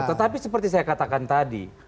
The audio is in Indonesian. tetapi seperti saya katakan tadi